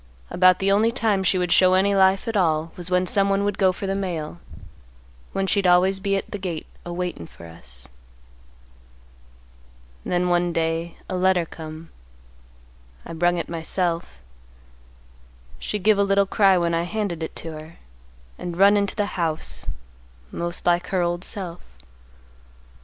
About the only time she would show any life at all was when someone would go for the mail, when she'd always be at the gate a waitin' for us. "Then one day, a letter come. I brung it myself. She give a little cry when I handed it to her, and run into the house, most like her old self.